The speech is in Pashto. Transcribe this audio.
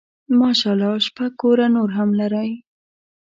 ماشاء الله شپږ کوره نور هم لري.